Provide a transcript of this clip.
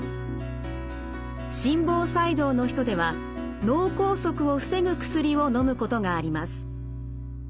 心房細動の人では脳梗塞を防ぐ薬をのむことがあります。